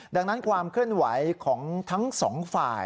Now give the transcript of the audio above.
ดังนั้นความเคลื่อนไหวของทั้งสองฝ่าย